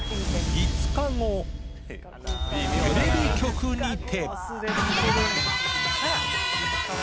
５日後、テレビ局にて。